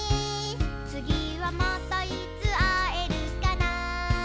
「つぎはまたいつあえるかな」